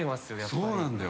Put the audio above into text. そうなんだよ。